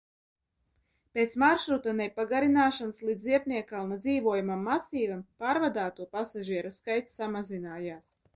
Pēc maršruta nepagarināšanas līdz Ziepniekkalna dzīvojamam masīvam pārvadāto pasažieru skaits samazinājās.